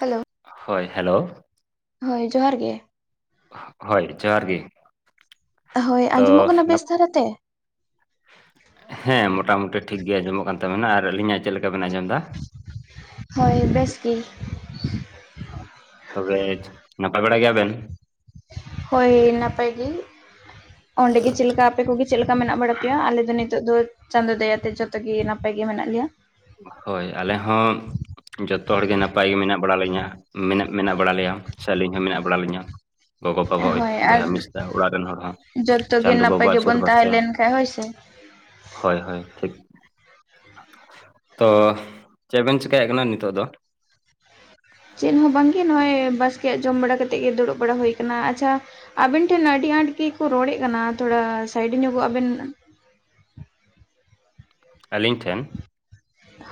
Hello ᱦᱳᱭ᱾ Hello? ᱦᱳᱭ ᱾ᱡᱚᱦᱟᱨ ᱜᱮ? ᱦᱳᱭ᱾ ᱡᱚᱦᱟᱨ ᱜᱮ᱾ ᱦᱳᱭ ᱾ᱟᱸᱡᱚᱢᱚ-ᱜ ᱛᱚ ᱠᱟᱱᱟ᱾ ᱱᱟᱯ ᱵᱮᱥ ᱫᱷᱟᱨᱟᱛᱮ? ᱦᱮᱸ ᱢᱚᱴᱟ-ᱢᱩᱴᱤ ᱴᱷᱤᱠᱜᱮ, ᱟᱸᱡᱚᱢᱚ-ᱜ ᱠᱟᱱ ᱛᱟᱵᱮᱱᱟ᱾ ᱟᱨ ᱟᱹᱞᱤᱧᱟ-ᱜ ᱪᱮᱫᱞᱮᱠᱟ᱾ ᱵᱮᱱ ᱟᱸᱡᱚᱢᱫᱟ? ᱦᱳᱭ᱾ ᱵᱮᱥ ᱜᱮ ᱛᱚᱵᱮᱡ, ᱱᱟᱯᱟ-ᱭ ᱵᱟᱲᱟ ᱜᱮᱭᱟᱵᱮᱱ? ᱦᱳᱭ᱾ ᱱᱟᱯᱟᱭ ᱜᱮ᱾ ᱚᱸᱰᱮᱜᱮ ᱪᱮᱫ ᱞᱮᱠᱟ ᱾ᱟᱯᱮ ᱠᱚᱜᱮ ᱪᱮᱫ ᱞᱮᱠᱟ᱾ ᱢᱮᱱᱟ-ᱜ ᱵᱟᱲᱟ ᱯᱮᱭᱟ᱾ ᱟᱞᱮ ᱫᱚ ᱱᱤᱛᱚᱼᱜ ᱫᱚ ᱪᱟᱸᱫᱚ ᱫᱟᱭᱟᱛᱮ ᱾ᱡᱚᱛᱚ ᱜᱮ ᱱᱟᱯᱟᱭ ᱜᱮ ᱾ᱢᱮᱱᱟᱜ ᱞᱮᱭᱟ᱾ ᱦᱳᱭ ᱾ᱟᱞᱮ ᱦᱚᱸ ᱡᱚᱛᱚ ᱦᱚᱲᱜᱮ, ᱱᱟᱯᱟᱭ ᱜᱮ, ᱢᱮᱱᱟ-ᱜ ᱵᱟᱲᱟᱞᱤᱧᱟᱹ ᱢᱮᱱᱟ-ᱜ ᱢᱮᱱᱟ-ᱜ ᱵᱟᱲᱟ ᱞᱮᱭᱟ ᱾ᱥᱮ ᱟᱹᱞᱤᱧ ᱦᱚᱸ ᱢᱮᱱᱟ-ᱜ ᱵᱟᱲᱟ ᱞᱤᱧᱟᱹ᱾ ᱜᱚᱜᱚᱼᱵᱟᱵᱟᱣᱟ-ᱜ ᱦᱳᱭ ᱟᱨ ᱵᱚᱭᱹᱦᱟ, ᱢᱤᱥᱨᱟ, ᱚᱲᱟ-ᱜ ᱨᱮᱱ ᱦᱚᱲ ᱾ᱦᱚᱸ ᱡᱚᱛᱚ ᱜᱮ ᱪᱟᱸᱫᱚ ᱱᱟᱯᱟᱭ ᱵᱟᱵᱟᱣᱟ-ᱜ ᱟᱥᱤᱨ ᱜᱮᱵᱚᱱ ᱵᱟᱵᱟᱛᱮ᱾ ᱛᱟᱦᱮᱸ ᱞᱮᱱ ᱠᱷᱟᱡ ᱦᱳᱭ ᱥᱮ ᱦᱳᱭ- ᱦᱳᱭ ᱴᱷᱤᱠ᱾ ᱛᱚ᱾ ᱪᱮᱫ ᱵᱮᱱ ᱪᱮᱠᱟᱹᱭᱮᱫ ᱠᱟᱱᱟ᱾ ᱱᱤᱛᱳ-ᱜ ᱫᱚ? ᱪᱮᱫ ᱦᱚᱸ ᱵᱟᱝᱜᱮ ᱾ᱱᱚᱜᱼᱚᱭ ᱵᱟᱥᱠᱮᱭᱟ-ᱜ ᱡᱚᱢ ᱵᱟᱲᱟ ᱠᱟᱛᱮᱫ ᱜᱮ᱾ ᱫᱩᱲᱩᱵ ᱵᱟᱲᱟ ᱦᱩᱭ ᱠᱟᱱᱟ᱾ ᱟᱪᱷᱟ ᱟᱵᱮᱱ ᱴᱷᱮᱱ, ᱟᱹᱰᱤ ᱟᱸᱴ ᱜᱮ-ᱠᱚ ᱨᱚᱲᱮᱫ ᱠᱟᱱᱟ ᱾ᱛᱷᱚᱲᱟ ᱥᱟᱭᱤᱰ ᱧᱚᱜᱚ-ᱜ ᱟᱵᱮᱱ᱾ ᱟᱹᱞᱤᱧ ᱴᱷᱮᱱ᱾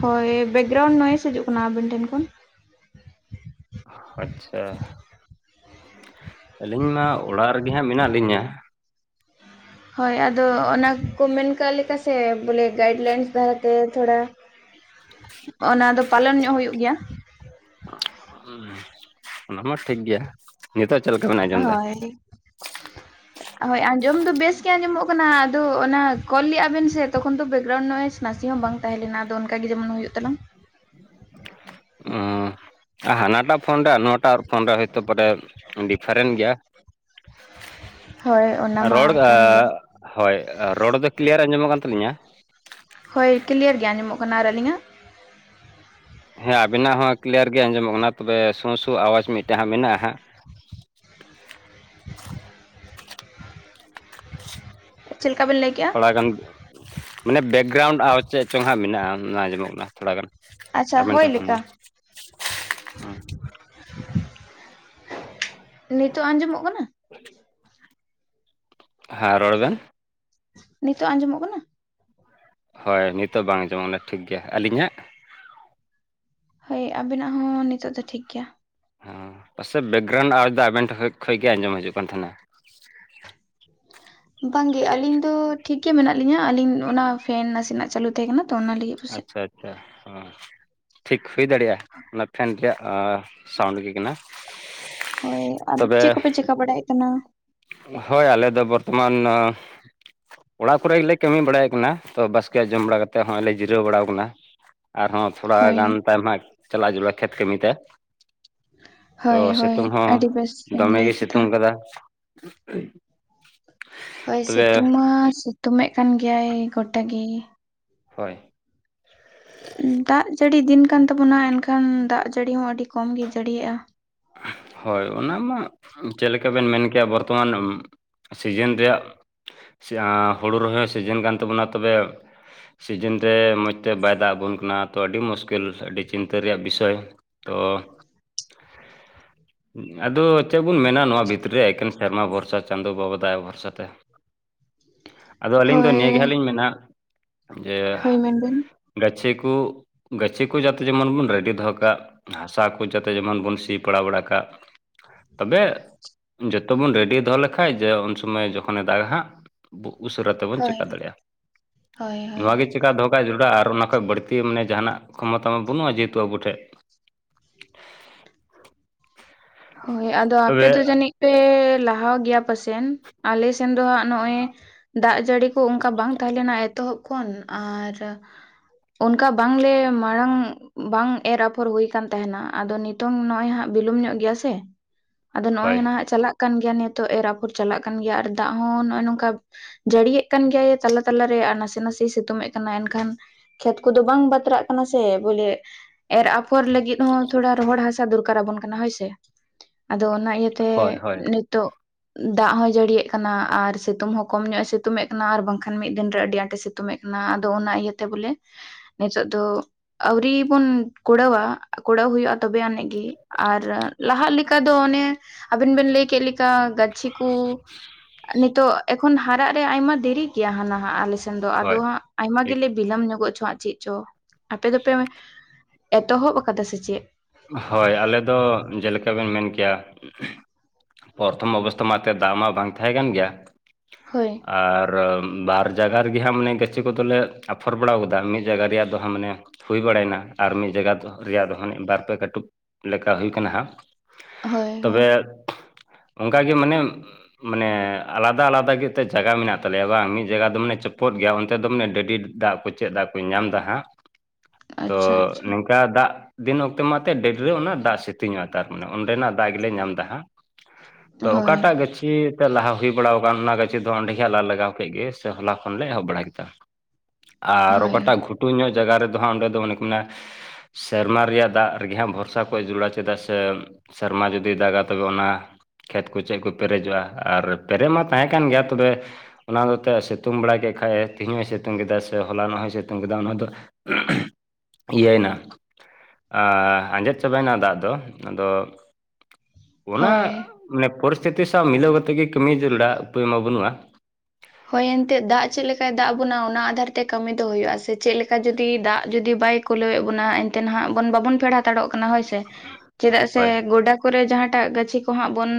ᱦᱳᱭ᱾ ᱵᱮᱠᱜᱨᱟᱣᱩᱱᱰ ᱱᱚᱣᱮᱥ ᱦᱤᱡᱩ-ᱜ ᱠᱟᱱᱟ ᱾ᱟᱹᱵᱤᱱ ᱴᱷᱮᱱ ᱠᱷᱚᱱ᱾ ᱟᱪᱷᱟ ᱟᱹᱞᱤᱧ ᱢᱟ᱾ ᱚᱲᱟ-ᱜ ᱨᱮ-ᱜᱮ ᱦᱟᱸᱜ ᱢᱮᱱᱟ-ᱜ ᱞᱤᱧᱟ ᱹ᱾ ᱦᱳᱭ ᱾ᱟᱫᱚ ᱚᱱᱟ ᱠᱚ ᱢᱮᱱ ᱠᱟᱜ ᱞᱮᱠᱟ ᱥᱮ ᱾ᱵᱚᱞᱮ ᱜᱟᱭᱮᱰᱞᱟᱭᱤᱱ ᱫᱷᱟᱨᱟᱛᱮ᱾ ᱛᱷᱚᱲᱟ [inaudible] ᱚᱱᱟ ᱫᱚ, ᱯᱟᱞᱚᱱ ᱧᱚᱜ ᱦᱩᱭᱩ-ᱜ ᱜᱮᱭᱟ᱾ ᱩᱸ ᱚᱱᱟ ᱢᱟ ᱴᱷᱤᱠ ᱜᱮᱭᱟ ᱾ᱱᱤᱛᱳ-ᱜ ᱪᱮᱫ ᱞᱮᱠᱟ ᱵᱮᱱ ᱟᱸᱡᱚᱢ ᱫᱟ᱾ ᱦᱳᱭ [inaudible] ᱦᱳᱭ ᱾ᱟᱸᱡᱚᱢ ᱫᱚ ᱵᱮᱥᱜᱮ ᱟᱸᱡᱚᱢᱚ-ᱜ ᱠᱟᱱᱟ᱾ ᱟᱫᱚ ᱚᱱᱟ ᱠᱚᱞ ᱞᱮᱫᱼᱟ ᱵᱮᱱ ᱥᱮ᱾ ᱛᱚᱠᱷᱚᱱ ᱫᱚ ᱵᱮᱠᱜᱨᱟᱣᱩᱱᱰ ᱱᱚᱣᱮᱥ ᱱᱟᱥᱮ ᱦᱚᱸ ᱵᱟᱝ ᱛᱟᱦᱮᱸ ᱞᱮᱱᱟ ᱾ᱟᱫᱚ ᱚᱱᱠᱟ ᱜᱮ ᱡᱮᱢᱚᱱ ᱦᱩᱭᱩ-ᱜ ᱛᱟᱞᱟᱝ ᱚᱸ ᱦᱟᱱᱟᱴᱟᱜ ᱯᱷᱳᱱ ᱨᱮ ᱱᱚᱣᱟᱴᱟᱜ ᱯᱷᱳᱱ ᱨᱮ ᱦᱚᱭᱛᱚ ᱵᱟᱰᱮ ᱰᱤᱯᱷᱟᱨᱮᱱ ᱜᱮᱭᱟ᱾ ᱦᱳᱭ ᱚᱱᱟ ᱢᱟ ᱨᱚᱲ ᱠᱟᱱ ᱜᱮᱭᱟ᱾ ᱦᱳᱭ ᱨᱚᱲ ᱫᱚ ᱠᱞᱤᱭᱟᱨ ᱟᱸᱡᱚᱢᱚᱜ ᱠᱟᱱ ᱛᱟᱞᱤᱧᱟ? ᱦᱳᱭ ᱠᱞᱤᱭᱟᱨ ᱜᱮ ᱟᱸᱡᱚᱢᱚᱜ ᱠᱟᱱᱟ, ᱟᱨ ᱟᱹᱞᱤᱧᱟᱜ? ᱦᱮᱸ ᱟᱵᱤᱱᱟᱜ ᱦᱚᱸ ᱠᱞᱤᱭᱟᱨ ᱜᱮ ᱟᱸᱡᱚᱢᱚᱜ ᱠᱟᱱᱟ ᱛᱚᱵᱮ ᱥᱚᱸ ᱥᱩ ᱟᱣᱟᱡᱽ ᱢᱤᱜᱴᱟᱜ ᱦᱟᱸᱜ ᱢᱮᱱᱟᱜ-ᱟ ᱦᱟᱸᱜ᱾ ᱪᱮᱞ ᱠᱟ ᱵᱮᱱ ᱞᱟᱹᱭ ᱠᱮ-ᱟ? ᱛᱷᱚᱲᱟ ᱜᱟᱱ ᱢᱟᱱᱮ ᱵᱮᱠᱜᱨᱟᱣᱩᱱᱰ ᱟᱣᱟᱡ ᱪᱮᱫ ᱪᱚᱝ ᱦᱟᱸᱜ ᱢᱮᱱᱟᱜᱼᱟ ᱚᱱᱟ ᱟᱸᱡᱚᱢᱚᱜ ᱠᱟᱱᱟ ᱛᱷᱚᱲᱟ ᱜᱟᱱ᱾ ᱟᱪᱪᱷᱟ ᱟᱵᱮᱱ ᱦᱳᱭ ᱴᱷᱮ ᱞᱮᱠᱟ ᱠᱷᱚᱱᱟᱜ ᱩᱸ ᱱᱤᱛᱳᱜ ᱟᱸᱡᱚᱢᱚᱜ ᱠᱟᱱᱟ? ᱦᱮᱸ ᱨᱚᱲ ᱵᱮᱱ ᱱᱤᱛᱳᱜ ᱟᱸᱡᱚᱢᱚᱜ ᱠᱟᱱᱟ? ᱦᱳᱭ ᱱᱤᱛᱚᱜ ᱵᱟᱝ ᱟᱸᱡᱚᱢᱚᱜ ᱠᱟᱱᱟ ᱴᱷᱤᱠ ᱜᱮᱭᱟ, ᱟᱹᱞᱤᱧᱟᱜ? ᱦᱳᱭ ᱟᱵᱮᱱᱟᱜ ᱦᱚᱸ ᱱᱤᱛᱳᱜ ᱫᱚ ᱴᱷᱤᱠ ᱜᱮᱭᱟ᱾ ᱚᱸ ᱯᱟᱥᱮᱜ ᱵᱮᱠᱜᱨᱟᱣᱩᱱᱰ ᱟᱣᱟᱡ ᱫᱚ ᱟᱵᱮᱱ ᱴᱷᱮᱡ ᱠᱷᱚᱡ ᱜᱮ ᱟᱸᱡᱚᱢ ᱦᱤᱡᱩᱜ ᱠᱟᱱ ᱛᱟᱦᱮᱱᱟ᱾ ᱵᱟᱝᱜᱮ ᱟᱹᱞᱤᱧ ᱫᱚ ᱴᱷᱤᱠ ᱜᱮ ᱢᱮᱱᱟᱜ ᱞᱤᱧᱟᱹ ᱟᱹᱞᱤᱧ ᱚᱱᱟ ᱯᱷᱮᱱ ᱱᱟᱥᱮᱱᱟᱜ ᱪᱟᱹᱞᱩ ᱛᱟᱦᱮᱸ ᱠᱟᱱᱟ ᱛᱚ, ᱚᱱᱟ ᱞᱟᱹᱜᱤᱫ, ᱯᱟᱥᱮᱡ ᱟᱪᱷᱟ ᱟᱪᱷᱟ ᱦᱚᱸ ᱴᱷᱤᱠ ᱦᱩᱭ ᱫᱟᱲᱮᱜ-ᱟ ᱚᱱᱟ ᱯᱷᱮᱱ ᱨᱮᱭᱟᱜ ᱚᱸ ᱥᱟᱣᱩᱱᱰ ᱜᱮ ᱠᱟᱱᱟ᱾ ᱦᱳᱭ ᱟᱨ ᱪᱮᱜ ᱛᱚᱵᱮ ᱠᱚᱯᱮ ᱪᱮᱠᱟ ᱵᱟᱲᱟᱭᱮᱜ ᱠᱟᱱᱟ? ᱦᱳᱭ ᱟᱞᱮ ᱫᱚ ᱵᱚᱨᱛᱚᱢᱟᱱ ᱚᱲᱟᱜ ᱠᱚᱨᱮ ᱜᱮᱞᱮ ᱠᱟᱹᱢᱤ ᱵᱟᱲᱟᱭᱮᱜ ᱠᱟᱱᱟ ᱛᱚ ᱵᱟᱥᱠᱮᱭᱟᱜ ᱡᱚᱢ ᱵᱟᱲᱟ ᱠᱟᱛᱮᱜ ᱦᱚᱸᱜ-ᱚᱭ ᱞᱮ ᱡᱤᱨᱟᱹᱣ ᱵᱟᱲᱟᱣ ᱠᱟᱱᱟ᱾ ᱟᱨᱦᱚᱸ ᱛᱷᱚᱲᱟ ᱦᱳᱭ ᱜᱟᱱ ᱛᱟᱭᱚᱢ ᱦᱟᱸᱜ ᱪᱟᱞᱟᱜ ᱡᱟᱨᱩᱲᱟ ᱠᱷᱮᱛ ᱠᱟᱹᱢᱤᱛᱮ᱾ ᱛᱚ ᱦᱳᱭ ᱦᱳᱭ ᱥᱤᱛᱩᱝ ᱦᱚᱸ ᱟᱹᱰᱤ ᱵᱮᱥ ᱵᱮᱱ ᱫᱚᱢᱮ ᱞᱟᱹᱭ ᱜᱮᱭ ᱠᱮᱫᱟ ᱥᱤᱛᱳᱝ ᱠᱟᱫᱟ᱾ [inaudible] ᱦᱳᱭ ᱛᱚᱵᱮ ᱥᱤᱛᱩᱝ ᱢᱟ ᱥᱤᱛᱩᱢᱮᱫ ᱠᱟᱱ ᱜᱮᱭᱟᱭ ᱜᱚᱴᱟ ᱜᱮ᱾ ᱦᱚᱭ ᱫᱟᱜ ᱡᱟᱹᱲᱤ ᱫᱤᱱ ᱠᱟᱱ ᱛᱟᱵᱚᱱᱟ ᱮᱱᱠᱷᱟᱱ ᱫᱟᱜ ᱡᱟᱹᱲᱤ ᱦᱚᱸ ᱟᱹᱰᱤ ᱠᱚᱢᱜᱤ ᱡᱟᱹᱲᱤᱭᱮᱜ-ᱟ᱾ ᱦᱳᱭ ᱚᱱᱟ ᱢᱟ ᱪᱮᱜ ᱞᱮᱠᱟ ᱵᱮᱱ ᱢᱮᱱ ᱠᱮᱭᱟ ᱵᱚᱨᱛᱚᱢᱟᱱ ᱥᱤᱡᱮᱱ ᱨᱮᱭᱟᱜ ᱟᱸ ᱦᱳᱲᱳ ᱨᱚᱦᱚᱭ ᱥᱤᱡᱮᱱ ᱠᱟᱱ ᱛᱟᱵᱚᱱᱟ ᱛᱚᱵᱮ ᱥᱤᱡᱤᱱ ᱨᱮ ᱢᱚᱸᱡᱽ ᱛᱮ ᱵᱟᱭ ᱫᱟᱜ ᱟᱵᱚᱱ ᱠᱟᱱᱟ ᱛᱚ ᱟᱹᱰᱤ ᱢᱩᱥᱠᱤᱞ ᱟᱹᱰᱤ ᱪᱤᱱᱛᱟᱹ ᱨᱮᱭᱟᱜ ᱵᱤᱥᱚᱭ᱾ ᱛᱚ ᱟᱫᱚ ᱪᱮᱜ ᱵᱩᱱ ᱢᱮᱱᱟ ᱱᱚᱣᱟ ᱵᱷᱤᱛᱨᱤ ᱨᱮ ᱮᱠᱮᱱ ᱥᱮᱨᱢᱟ ᱵᱷᱚᱨᱥᱟ ᱪᱟᱸᱫᱳ ᱵᱟᱵᱟ ᱫᱟᱭᱟ ᱵᱷᱚᱨᱥᱟ ᱛᱮ᱾ ᱟᱫᱚ ᱟᱹᱞᱤᱧ ᱫᱚ ᱦᱳᱭ ᱱᱤᱭᱟᱹ ᱜᱮ ᱦᱟᱸᱜ ᱞᱤᱧ ᱢᱮᱱᱟ ᱡᱮ ᱦᱳᱭ ᱢᱮᱱᱵᱮᱱ ᱜᱟᱹᱪᱷᱤ ᱠᱩ ᱜᱟᱪᱷᱤᱩ ᱠᱩ ᱡᱟᱛᱮ ᱡᱮᱢᱚᱱ ᱵᱚᱱ ᱨᱮᱰᱤ ᱫᱚᱦᱚ ᱠᱟᱜ ᱦᱟᱥᱟ ᱠᱚ ᱡᱟᱛᱮ ᱡᱮᱢᱚᱱ ᱵᱚᱱ ᱛᱤ ᱯᱟᱲᱟ ᱵᱟᱲᱟ ᱠᱟᱜ, ᱛᱚᱵᱮ ᱡᱚᱛᱚᱵᱚᱱ ᱨᱮᱰᱤ ᱫᱚᱦᱚ ᱞᱮᱠᱟᱡ ᱡᱮ ᱩᱱᱥᱚᱢᱚᱭ ᱡᱚᱠᱷᱚᱱᱮ ᱫᱟᱜᱟ ᱦᱟᱸᱜ ᱵᱩᱜ ᱩᱥᱟᱹᱨᱟ ᱛᱮᱵᱚᱱ ᱦᱳᱭ ᱪᱮᱠᱟ ᱫᱟᱲᱮᱭᱟᱜ-ᱟ ᱦᱳᱭ ᱦᱳᱭ ᱱᱚᱣᱟ ᱜᱮ ᱪᱮᱠᱟ ᱫᱚᱦᱚ ᱠᱟᱜ ᱮ ᱡᱚᱨᱩᱲᱟ ᱟᱨ ᱚᱱᱟ ᱠᱷᱚᱡ ᱵᱟᱹᱲᱛᱤ ᱢᱟᱱᱮ ᱡᱟᱦᱟᱱᱟᱜ ᱠᱷᱚᱢᱚᱛᱟ ᱢᱟ ᱵᱟᱹᱱᱩᱜ-ᱟ ᱡᱮᱦᱮᱛᱩ ᱟᱵᱚ ᱴᱷᱮᱜ᱾ ᱦᱳᱭ ᱟᱫᱚ ᱟᱯᱮ ᱛᱚᱵᱮ ᱫᱚ ᱡᱟᱹᱱᱤᱡ ᱯᱮ ᱞᱟᱦᱟᱣ ᱜᱮᱭᱟ ᱯᱟᱥᱮᱱ ᱟᱞᱮᱥᱱ ᱫᱚ ᱦᱟᱸᱜ ᱱᱚᱜ-ᱚᱭ ᱫᱟᱜ ᱡᱟᱹᱲᱤ ᱠᱚ ᱚᱝᱠᱟ ᱵᱟᱝ ᱛᱟᱦᱮᱸ ᱞᱮᱱᱟ ᱮᱛᱚᱦᱚᱵ ᱠᱷᱚᱱ ᱟᱨ ᱚᱱᱠᱟ ᱵᱟᱝᱞᱮ ᱢᱟᱲᱟᱝ ᱵᱟᱝ ᱮᱨ ᱟᱯᱷᱚᱨ ᱦᱩᱭ ᱠᱟᱱ ᱛᱟᱦᱮᱱᱟ ᱟᱫᱚ ᱱᱤᱛᱚᱝ ᱱᱚᱜ ᱚᱭ ᱦᱟᱸᱜ ᱵᱤᱞᱚᱢ ᱧᱚᱜ ᱜᱮᱭᱟ ᱥᱮ ᱟᱫᱚ ᱱᱚᱜ-ᱚᱭ ᱦᱳᱭ ᱱᱟᱦᱟᱜ ᱪᱟᱞᱟᱜ ᱠᱟᱱ ᱜᱮᱭᱟ ᱱᱤᱛᱳᱜ ᱮᱨ ᱟᱯᱷᱚᱨ ᱪᱟᱞᱟᱜ ᱠᱟᱱ ᱜᱮᱭᱟ ᱟᱨ ᱫᱟᱜ ᱦᱚᱸ ᱱᱚᱜ-ᱚᱭ ᱱᱚᱝ ᱠᱟ ᱡᱟᱹᱲᱤᱭᱮᱫ ᱠᱟᱱ ᱜᱮᱭᱟᱭ, ᱛᱟᱞᱟ ᱛᱟᱞᱟᱨᱮ, ᱟᱨ ᱱᱟᱥᱮ, ᱱᱟᱥᱮ ᱥᱤᱛᱩᱝ ᱮᱫ ᱠᱟᱱᱟ, ᱮᱱᱠᱷᱟᱱ ᱠᱷᱮᱛ ᱠᱚᱫᱚ, ᱵᱟᱝ ᱵᱟᱛᱨᱟᱜ ᱠᱟᱱᱟ ᱥᱮ, ᱵᱚᱞᱮ ᱮᱨ ᱟᱯᱷᱚᱨ ᱞᱟᱹᱜᱤᱫ ᱦᱚᱸ, ᱛᱷᱚᱲᱟ ᱨᱚᱦᱚᱲ ᱦᱟᱥᱟ, ᱫᱚᱨᱠᱟᱨ ᱟᱵᱚᱱ ᱠᱟᱱᱟ, ᱦᱳᱭ ᱥᱮ, ᱟᱫᱚ, ᱚᱱᱟ ᱤᱭᱟᱹᱛᱮ, ᱦᱳᱭ ᱦᱳᱭ ᱱᱤᱛᱚᱜ ᱫᱟᱜ ᱦᱚᱸᱭ ᱡᱟᱹᱲᱤᱭᱮᱫ ᱠᱟᱱᱟ, ᱟᱨ ᱥᱤᱛᱩᱝ ᱦᱚᱸ ᱠᱚᱢ ᱧᱚᱜᱼᱮ, ᱥᱤᱛᱩᱝ ᱮᱫ ᱠᱟᱱᱟ, ᱟᱨ ᱵᱟᱝᱠᱷᱟᱱ, ᱢᱤᱫ ᱫᱤᱱ ᱨᱮ, ᱟᱹᱰᱤ ᱟᱸᱴᱮ ᱥᱤᱛᱩᱝ ᱛᱩᱢᱮᱫ ᱠᱟᱱᱟ, ᱟᱫᱚ ᱚᱱᱟ ᱤᱭᱟᱹᱛᱮ, ᱵᱚᱞᱮ ᱱᱤᱛᱚᱜ ᱫᱚ, ᱟᱹᱣᱨᱤ ᱵᱚᱱ ᱠᱩᱲᱟᱹᱣᱟ, ᱠᱩᱲᱟᱹᱣ ᱦᱩᱭᱩᱜᱼᱟ, ᱛᱚᱵᱮ ᱟᱹᱱᱤᱡ ᱜᱮ, ᱞᱟᱦᱟᱜ ᱞᱮᱠᱟ ᱫᱚ, ᱚᱱᱮ, ᱟᱵᱮᱱ ᱵᱮᱱ ᱞᱟᱹᱭ ᱠᱮᱫ ᱞᱮᱠᱟ, ᱜᱟᱹᱪᱷᱤ ᱠᱩ ᱱᱤᱛᱚᱜ ᱮᱠᱷᱚᱱ, ᱦᱟᱨᱟᱜ ᱨᱮᱭᱟᱜ, ᱟᱭᱢᱟ ᱫᱮᱨᱤ ᱜᱮᱭᱟ, ᱦᱟᱱᱟ ᱦᱟᱸ ᱟᱞᱮ ᱥᱮ [unintelligible] ᱫᱚ ᱦᱳᱭ ᱟᱫᱚ ᱦᱟᱸᱜ, ᱟᱭᱢᱟ ᱴᱷᱤᱠ ᱜᱮᱞᱮ, ᱵᱤᱞᱚᱢ ᱧᱚᱜᱚᱜ ᱪᱚ ᱦᱟᱸᱜ, ᱪᱮᱫ ᱪᱚ? ᱟᱯᱮ ᱫᱚᱯᱮ, ᱮᱛᱚᱦᱚᱵ ᱟᱠᱟᱫᱟ ᱥᱮ ᱪᱮᱫ? ᱦᱳᱭ, ᱟᱞᱮ ᱫᱚ, ᱡᱮᱞᱮᱠᱟ ᱵᱮᱱ ᱢᱮᱱ ᱠᱮᱭᱟ ᱯᱚᱨᱛᱷᱚᱢ ᱚᱵᱚᱥᱛᱟᱷᱟ ᱢᱟ, ᱮᱛᱮᱫ ᱫᱟᱜ ᱢᱟ, ᱵᱟᱝ ᱛᱟᱦᱮᱸ ᱠᱟᱱ ᱜᱮᱭᱟ ᱾ ᱦᱳᱭ ᱾ ᱟᱨ, ᱵᱟᱨ ᱡᱟᱭᱜᱟ ᱨᱮᱜᱮ ᱦᱟᱸᱜ, ᱢᱟᱱᱮ ᱜᱟᱹᱪᱷᱤ ᱠᱚᱫᱚᱞᱮ ᱟᱯᱷᱚᱨ ᱵᱟᱲᱟᱣ ᱟᱠᱟᱫᱟ ᱾ ᱢᱤᱫ ᱡᱟᱜᱜᱟ ᱨᱮᱭᱟᱜ ᱫᱚ ᱦᱟᱸᱜ, ᱢᱟᱱᱮ ᱦᱩᱭ ᱵᱟᱲᱟ ᱭᱮᱱᱟ, ᱟᱨ ᱢᱤᱫ ᱡᱟᱭᱜᱟ ᱨᱮᱭᱟᱜ ᱫᱚ, ᱦᱟᱱᱮ ᱵᱟᱨ ᱯᱮ, ᱠᱟᱹᱴᱩᱵ ᱞᱮᱠᱟ ᱦᱩᱭ ᱟᱠᱟᱱᱟ ᱦᱟᱸᱜ, ᱦᱳᱭ ᱦᱳᱭ ᱛᱚᱵᱮ ᱚᱱᱠᱟ ᱜᱮ, ᱢᱟᱱᱮ ᱢᱟᱱᱮ, ᱟᱞᱟᱫᱟ ᱟᱞᱟᱫᱟ ᱜᱮ, ᱮᱛᱮᱫ ᱡᱟᱭᱜᱟ ᱢᱮᱱᱟᱜ ᱛᱟᱞᱮᱭᱟ ᱵᱟᱝ, ᱢᱤᱫ ᱡᱟᱭᱜᱟ ᱫᱚ ᱢᱟᱱᱮ, ᱪᱚᱯᱚᱫ ᱜᱮᱭᱟ, ᱚᱱᱛᱮ ᱫᱚ ᱢᱟᱱᱮ, ᱰᱟᱹᱰᱤ ᱫᱟᱜ ᱠᱚ, ᱪᱮᱫ ᱫᱟᱜ ᱠᱚ, ᱧᱟᱢ ᱮᱫᱟ ᱦᱟᱸᱜ, ᱛᱚ, ᱟᱪᱪᱷᱟ ᱟᱪᱪᱷᱟ ᱱᱚᱤᱝᱠᱟ ᱫᱟᱜ ᱫᱤᱱ, ᱚᱠᱛᱚ ᱛᱮ ᱢᱟᱛᱮ ᱰᱟᱹᱵᱨᱟᱹᱣ ᱚᱱᱟ, ᱫᱟᱜ ᱥᱤᱛᱤᱧᱚᱜᱼᱟ, ᱛᱟᱨᱢᱟᱱᱮ, ᱚᱸᱰᱮᱱᱟᱜ ᱫᱟᱜ ᱜᱮᱞᱮ, ᱧᱟᱢ ᱮᱫᱟ ᱦᱟᱸᱜ ᱾ ᱛᱚ, ᱦᱳᱭ ᱚᱠᱟᱴᱟᱜ ᱜᱟᱹᱪᱷᱤ ᱞᱟᱦᱟ ᱦᱩᱭ ᱵᱟᱲᱟ ᱟᱠᱟᱱ, ᱚᱱᱟ ᱜᱟᱹᱪᱷᱤ ᱫᱚ ᱚᱸᱰᱮ ᱜᱮ ᱦᱟᱸᱜ, ᱞᱟᱞᱟᱜᱟᱣ ᱠᱮᱫ ᱜᱮ ᱥᱮ, ᱦᱚᱞᱟ ᱠᱷᱚᱱ ᱞᱮ ᱮᱦᱚᱵ ᱵᱟᱲᱟ ᱠᱮᱫᱟ ᱾ ᱟᱨ, ᱦᱳᱭ ᱚᱠᱟᱴᱟᱜ ᱜᱷᱩᱴᱩ ᱧᱚᱜ ᱡᱟᱭᱜᱟ ᱨᱮᱫᱚ ᱦᱟᱸᱜ, ᱚᱸᱰᱮ ᱫᱚ, ᱚᱱᱮ ᱠᱚ ᱢᱮᱱᱟ ᱥᱮᱨᱢᱟ ᱨᱮᱭᱟᱜ ᱫᱟᱜ ᱨᱮᱜᱮ ᱦᱟᱸᱜ, ᱵᱷᱚᱨᱥᱟ ᱠᱚ ᱡᱩᱨᱩᱲᱟ, ᱪᱮᱫᱟᱜ ᱥᱮ ᱥᱮᱨᱢᱟ ᱡᱩᱫᱤᱭ ᱫᱟᱜᱟ, ᱛᱚᱵᱮ ᱚᱱᱟ ᱠᱷᱮᱛ ᱠᱚ ᱪᱮᱫ ᱠᱚ ᱯᱮᱨᱮᱡᱚᱜᱼᱟ, ᱟᱨ ᱯᱮᱨᱮᱡ ᱢᱟ ᱛᱟᱦᱮᱸ ᱠᱟᱱ ᱜᱮᱭᱟ, ᱛᱚᱵᱮ ᱚᱱᱟ ᱦᱚᱛᱮ, ᱥᱤᱛᱩᱝ ᱵᱟᱲᱟ ᱠᱮᱫ ᱠᱷᱟᱡ ᱮ, ᱛᱮᱦᱤᱧ ᱦᱚᱭ ᱥᱤᱛᱩᱝ ᱠᱮᱫᱟ, ᱥᱮ ᱦᱚᱞᱟᱱᱚᱜ ᱦᱚᱭ, ᱥᱤᱛᱩᱝ ᱠᱮᱫᱟ, ᱚᱱᱟ ᱫᱚ ᱚ-ᱦᱚ-ᱢ, ᱤᱭᱟᱹᱭᱼᱱᱟ ᱾ ᱟᱻ ᱟᱸᱡᱮᱫ ᱪᱟᱵᱟ ᱭᱮᱱᱟ ᱫᱟᱜ ᱫᱚ, ᱟᱫᱚ ᱚᱱᱟ ᱦᱳᱭ ᱢᱟᱱᱮ, ᱯᱚᱨᱤᱥᱛᱤᱛᱤ ᱥᱟᱶ ᱢᱤᱞᱟᱹᱣ ᱠᱟᱛᱮᱜ ᱜᱮ, ᱠᱟᱹᱢᱤ ᱡᱟᱨᱩᱲᱟ ᱩᱯᱟᱹᱭ ᱢᱟ, ᱵᱟᱹᱱᱩᱜᱼᱟ ᱾ ᱦᱳᱭ ᱮᱱᱛᱮᱫ, ᱫᱟᱜ ᱪᱮᱫ ᱞᱮᱠᱟᱭ ᱫᱟᱜ ᱟᱵᱚᱱᱟ, ᱚᱱᱟ ᱟᱫᱷᱟᱨ ᱛᱮ ᱠᱟᱹᱢᱤ ᱫᱚ ᱦᱩᱭᱩᱜᱼᱟ ᱥᱮ, ᱪᱮᱫ ᱞᱮᱠᱟ, ᱡᱩᱫᱤ ᱫᱟᱜ ᱡᱩᱫᱤ ᱵᱟᱭ ᱠᱩᱞᱟᱹᱣᱮᱫ ᱵᱚᱱᱟ, ᱮᱱᱛᱮ ᱱᱟᱦᱟᱜ ᱵᱚᱱ ᱵᱟᱵᱚᱱ ᱯᱮᱰ ᱦᱟᱛᱟᱲᱚᱜ ᱠᱟᱱᱟ, ᱦᱳᱭ ᱥᱮ, ᱪᱮᱫᱟᱜ ᱥᱮ ᱦᱳᱭ ᱜᱚᱰᱟ ᱠᱚᱨᱮ, ᱡᱟᱦᱟᱸᱴᱟᱜ ᱜᱟᱹᱪᱷᱤ ᱠᱚ ᱦᱟᱸᱜ, ᱵᱚᱱ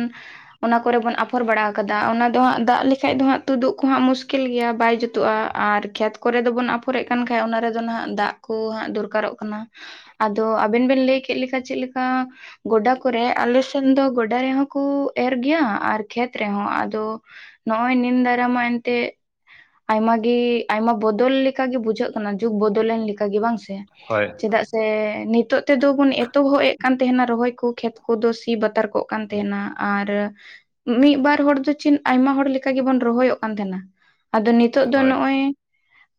ᱚᱱᱟ ᱠᱚᱨᱮ, ᱵᱚᱱ ᱟᱯᱷᱚᱨ ᱵᱟᱲᱟ ᱟᱠᱟᱫᱟ, ᱚᱱᱟ ᱫᱚ ᱦᱟᱸᱜ, ᱫᱟᱜ ᱞᱤᱸᱜᱤ ᱦᱳᱭ ᱠᱷᱟᱡ ᱫᱚ ᱦᱟᱜ ᱛᱩᱫᱩᱜ ᱠᱚ ᱦᱟᱸᱜ, ᱢᱩᱥᱠᱤᱞ ᱜᱮᱭᱟ, ᱵᱟᱭ ᱡᱩᱛᱩᱜᱼᱟ, ᱟᱨ ᱠᱷᱮᱛ ᱠᱚᱨᱮ ᱫᱚ, ᱵᱚᱱ ᱟᱯᱷᱚᱨᱮᱫ ᱠᱟᱱ ᱠᱷᱟᱡ, ᱚᱱᱟ ᱨᱮᱫᱚ ᱱᱟᱦᱟᱜ ᱫᱟᱜ ᱠᱚ ᱦᱟᱸᱜ, ᱫᱚᱨᱠᱟᱨᱚᱜ ᱠᱟᱱᱟ, ᱟᱫᱚ ᱟᱵᱮᱱ ᱵᱮᱱ, ᱞᱟᱹᱭ ᱠᱮᱫ ᱞᱮᱠᱟ, ᱪᱮᱫ ᱞᱮᱠᱟ ᱜᱚᱰᱟ ᱠᱚᱨᱮᱜ, ᱟᱞᱮ ᱥᱮᱱ ᱫᱚ ᱜᱚᱰᱟ ᱨᱮᱦᱚᱸ ᱠᱚ, ᱮᱨ ᱜᱮᱭᱟ, ᱟᱨ ᱠᱷᱮᱛ ᱨᱮᱦᱚᱸ, ᱟᱫᱚ ᱱᱚ-ᱚᱭ, ᱱᱤᱱ ᱫᱟᱨᱟ ᱢᱟ, ᱮᱱᱛᱮ ᱟᱭᱢᱟᱜᱮ, ᱟᱭᱢᱟ ᱵᱚᱫᱚᱞ ᱞᱮᱠᱟᱜ ᱜᱮ, ᱵᱩᱡᱷᱟᱹᱜ ᱠᱟᱱᱟ, ᱡᱩᱜᱽ ᱵᱚᱫᱚᱞᱮᱱ ᱞᱮᱠᱟᱜᱮ, ᱵᱟᱝ ᱥᱮ? ᱦᱳᱭ ᱾ ᱪᱮᱫᱟᱜ ᱥᱮ, ᱱᱤᱛᱚᱜ ᱛᱮᱫᱚ ᱵᱚᱱ, ᱮᱛᱚᱦᱚᱵ ᱮᱫ ᱠᱟᱱ ᱛᱟᱦᱮᱱᱟ, ᱨᱚᱦᱚᱭ ᱠᱚ ᱠᱷᱮᱛ ᱠᱚᱫᱚ, ᱥᱤ ᱵᱟᱛᱟᱨ ᱠᱚᱜ ᱠᱟᱱ ᱛᱟᱦᱮᱱᱟ, ᱟᱨ ᱢᱤᱫ ᱵᱟᱨ, ᱦᱚᱲ ᱫᱚ, ᱪᱮᱫ ᱟᱭᱢᱟ ᱦᱚᱲ ᱞᱮᱠᱟ ᱜᱮ ᱵᱚᱱ, ᱨᱚᱦᱚᱭᱚᱜ ᱠᱟᱱ ᱛᱟᱦᱮᱱᱟ, ᱟᱫᱚ ᱱᱤᱛᱚᱜ ᱫᱚ, ᱱᱚᱜᱼᱚᱭ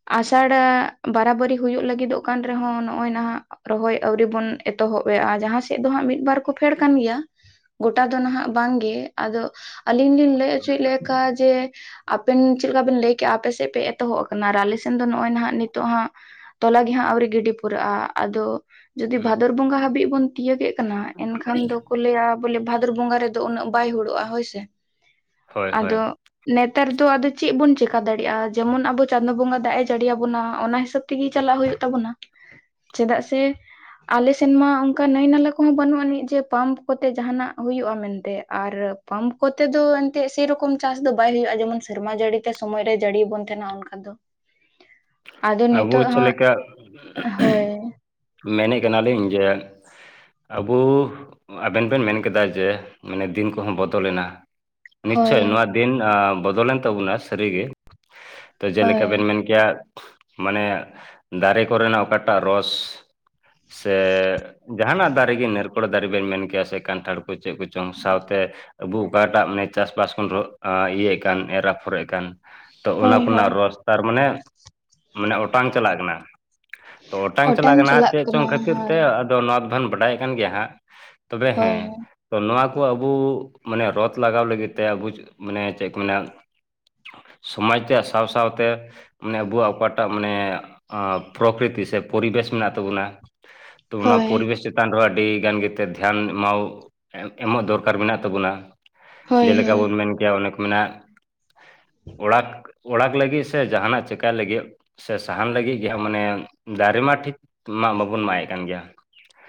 ᱟᱥᱟᱲ ᱵᱟᱨᱟ ᱵᱟᱨᱤ ᱦᱩᱭᱩᱜ, ᱞᱟᱹᱜᱤᱫᱚᱜ ᱠᱟᱱ, ᱨᱮᱦᱚᱸ, ᱱᱚᱜᱼᱚᱭ ᱱᱟᱦᱟᱜ ᱨᱚᱦᱚᱭ ᱟᱹᱣᱨᱤ ᱵᱚᱱ ᱮᱛᱚᱦᱚᱵ ᱮᱜᱼᱟ ᱾ ᱡᱟᱦᱟᱸ ᱥᱮᱫ ᱫᱚ ᱦᱟᱸᱜ, ᱢᱤᱫᱵᱟᱨ ᱠᱚ, ᱯᱷᱮᱰ ᱟᱠᱟᱱ ᱜᱮᱭᱟ ᱾ ᱜᱳᱴᱟ ᱫᱚ ᱱᱟᱦᱟᱸᱜ ᱵᱟᱝᱜᱮ ᱟᱫᱚ ᱟᱹᱞᱤᱧ ᱞᱤᱧ ᱞᱟᱹᱭ ᱦᱚᱪᱚᱭᱮᱫ ᱞᱮᱠᱟ ᱡᱮ ᱟᱯᱮᱱ ᱪᱮᱫ ᱞᱮᱠᱟ ᱵᱮᱱ ᱞᱟᱹᱭ ᱠᱮᱜᱼᱟ ᱟᱯᱮ ᱥᱮᱜ ᱯᱮ ᱮᱛᱚᱦᱚᱵ ᱟᱠᱟᱱᱟ ᱟᱨ ᱟᱞᱮᱥᱮᱫ ᱫᱚ ᱱᱚᱜᱼᱚᱭ ᱦᱟᱜ ᱱᱤᱛᱚᱜ ᱦᱟᱸᱜ ᱛᱚᱞᱟ ᱜᱮ ᱦᱟᱸᱜ ᱟᱹᱣᱨᱤ ᱜᱤᱰᱤ ᱯᱩᱨᱟᱹᱜᱼᱟ, ᱟᱫᱚ ᱡᱩᱫᱤ ᱦᱩᱸ ᱵᱷᱟᱫᱚᱨ ᱵᱚᱸᱜᱟ ᱦᱟᱹᱵᱤᱡ ᱵᱚᱱ ᱛᱤᱭᱟᱹᱜᱮᱫ ᱠᱟᱱᱟ, ᱮᱱᱠᱷᱟᱱ ᱫᱚ ᱠᱚ ᱞᱟᱹᱭᱟ ᱵᱚᱞᱮ ᱵᱷᱟᱫᱚᱨ ᱵᱚᱸᱜᱟ ᱨᱮᱫᱚ ᱩᱱᱟᱹᱜ ᱵᱟᱭ ᱦᱩᱲᱩᱜᱼᱟ ᱦᱳᱭᱥᱮ, ᱦᱳᱭ ᱦᱳᱭ ᱟᱫᱚ ᱱᱮ ᱱᱮᱛᱟᱨ ᱫᱚ ᱟᱫᱚ ᱪᱮᱫ ᱵᱚᱱ ᱪᱮᱠᱟ ᱫᱟᱲᱮᱭᱟᱜᱼᱟ, ᱡᱮᱢᱚᱱ ᱟᱵᱚ ᱪᱟᱸᱫᱳ ᱵᱚᱸᱜᱟ ᱫᱟᱜ ᱮ ᱡᱟᱹᱲᱤᱭᱟᱵᱚᱱᱟ ᱚᱱᱟ ᱦᱤᱥᱟᱹᱵ ᱛᱤᱜᱤ ᱪᱟᱞᱟᱜ ᱦᱩᱭᱩᱜ ᱛᱟᱵᱚᱱᱟ, ᱪᱮᱫᱟᱜ ᱥᱮ ᱟᱞᱮ ᱥᱮᱱᱢᱟ ᱚᱝᱠᱟ ᱱᱟᱹᱭ ᱱᱟᱞᱟ ᱠᱚᱦᱚᱸ ᱵᱟᱹᱱᱩᱜ ᱟᱹᱱᱤᱡ ᱡᱮ ᱯᱟᱢᱯ ᱠᱚᱛᱮ ᱡᱟᱦᱟᱸᱱᱟᱜ ᱦᱩᱭᱩᱜᱼᱟ ᱢᱮᱱᱛᱮ, ᱟᱨ ᱯᱟᱢᱯ ᱠᱚᱛᱮ ᱫᱚ ᱮᱱᱛᱮᱫ ᱥᱮᱨᱚᱠᱚᱢ ᱪᱟᱥ ᱫᱚ ᱵᱟᱭ ᱦᱩᱭᱩᱜᱼᱟᱭ ᱡᱮᱢᱚᱱ ᱥᱮᱨᱢᱟ ᱡᱟᱹᱲᱤ ᱛᱮ ᱥᱚᱢᱚᱭ ᱨᱮ ᱡᱟᱹᱲᱤ ᱟᱵᱚᱱ ᱛᱟᱦᱮᱸᱱᱟ ᱚᱱᱠᱟ ᱫᱚ᱾ ᱟᱫᱚ ᱟᱵᱚ ᱱᱤᱛᱚᱜ ᱪᱮᱫ ᱦᱟᱸᱜ ᱦᱳᱭ᱾ ᱢᱮᱱᱮᱜ ᱠᱟᱱᱟᱞᱤᱧ ᱡᱮ ᱟᱵᱩ ᱟᱵᱮᱱ ᱵᱮᱱ ᱢᱮᱱ ᱠᱮᱫᱟ ᱡᱮ ᱢᱟᱱᱮ ᱫᱤᱱ ᱠᱚᱦᱚᱸ ᱵᱚᱫᱚᱞᱮᱱᱟ᱾ ᱦᱳᱭ ᱱᱤᱥᱪᱳᱭ ᱱᱚᱣᱟ ᱫᱤᱱ ᱟ ᱵᱚᱫᱚᱞᱮᱱ ᱛᱟᱵᱚᱱᱟ ᱥᱟᱹᱨᱤᱜᱤ ᱛᱚ ᱡᱮᱞᱮᱠᱟ ᱦᱳᱭ ᱵᱮᱱ ᱢᱮᱱ ᱠᱮᱭᱟ ᱢᱟᱱᱮ ᱫᱟᱨᱮ ᱠᱚᱨᱮᱱᱟᱜ ᱚᱠᱟᱴᱟᱜ ᱨᱚᱥ ᱥᱮ ᱡᱟᱦᱟᱸᱱᱟᱜ ᱫᱟᱨᱮ ᱜᱮ ᱱᱟᱨᱠᱳᱲ ᱫᱟᱨᱮ ᱵᱮᱱ ᱢᱮᱱ ᱠᱮᱭᱟ ᱥᱮ ᱠᱟᱱᱴᱷᱟᱲ ᱠᱚ ᱪᱮᱫ ᱠᱚ ᱪᱚᱝ ᱥᱟᱶᱛᱮ ᱟᱵᱩ ᱚᱠᱟᱴᱟᱜ ᱢᱟᱱᱮ ᱪᱟᱥᱼᱵᱟᱥ ᱵᱚᱱ ᱤᱭᱟᱹᱭᱮᱫ ᱠᱟᱱ ᱮᱨ ᱟᱯᱷᱚᱨᱮᱜ ᱠᱟᱱ, ᱛᱚ ᱚᱱᱟ ᱦᱳᱭ ᱦᱳᱭ ᱠᱚᱨᱮᱱᱟᱜ ᱨᱚᱥ ᱛᱟᱨ ᱢᱟᱱᱮ ᱢᱟᱱᱮ ᱚᱴᱟᱝ ᱪᱟᱞᱟᱜ ᱠᱟᱱᱟ᱾ ᱛᱚ ᱚᱴᱟᱝ ᱪᱟᱞᱟᱜ ᱠᱟᱱᱟ ᱦᱟᱸᱜ ᱪᱮᱫ ᱪᱚᱝ ᱠᱷᱟᱹᱛᱤᱨ ᱛᱮ ᱟᱫᱚ ᱱᱚᱣᱟ ᱫᱚ ᱦᱚᱱ ᱵᱟᱰᱟᱭ ᱠᱟᱱ ᱜᱮᱭᱟ ᱦᱟᱸᱜ᱾ ᱛᱚᱵᱮ ᱦᱮᱸ, ᱦᱳᱭ ᱛᱚ ᱱᱚᱣᱟ ᱠᱚ ᱟᱵᱚ ᱢᱟᱱᱮ ᱨᱚᱛ ᱞᱟᱜᱟᱣ ᱞᱟᱹᱜᱤᱫ ᱛᱮ ᱟᱵᱚ ᱢᱟᱱᱮ ᱪᱮᱫ ᱠᱚ ᱢᱮᱱᱟ ᱥᱚᱢᱟᱡ ᱨᱮᱭᱟᱜ ᱥᱟᱶ-ᱥᱟᱶᱛᱮ ᱢᱟᱱᱮ ᱟᱵᱚᱣᱟᱜ ᱚᱠᱟᱴᱟᱜ ᱢᱟᱱᱮ ᱯᱨᱚᱠᱤᱛᱤ ᱥᱮ ᱯᱚᱨᱤᱵᱮᱥ ᱢᱮᱱᱟᱜ ᱛᱚᱵᱚᱱᱟ ᱛᱚ ᱚᱱᱟ ᱦᱳᱭ ᱯᱚᱨᱵᱮᱥ ᱪᱮ ᱪᱮᱛᱟᱱ ᱨᱮ ᱟᱹᱰᱤ ᱜᱟᱱ ᱜᱮᱛᱮ ᱫᱷᱮᱭᱟᱱ ᱮᱢ ᱮᱢᱚᱜ ᱫᱚᱨᱠᱟᱨ ᱢᱮᱱᱟᱜ ᱛᱟᱵᱚᱱᱟ᱾ ᱦᱳᱭ ᱡᱮᱞᱮᱠᱟ ᱦᱳᱭ ᱵᱚᱱ ᱢᱮᱱ ᱠᱮᱭᱟ ᱚᱱᱮ ᱠᱚ ᱢᱮᱱᱟ ᱚᱲᱟᱜ ᱚᱲᱟᱜ ᱞᱟᱹᱜᱤᱫ ᱥᱮ ᱡᱟᱦᱟᱸᱱᱟᱜ ᱪᱤᱠᱟᱹᱭ ᱞᱟᱹᱜᱤᱫ ᱥᱮ ᱥᱟᱦᱟᱱ ᱞᱟᱹᱜᱤᱫ ᱜᱮᱦᱟᱸᱜ ᱢᱟᱱᱮ ᱫᱟᱨᱮ ᱢᱟ ᱴᱷᱤᱠ ᱢᱟᱜ ᱵᱟᱵᱚᱱ ᱢᱟᱜᱮᱫ ᱠᱟᱱ ᱜᱮᱭᱟ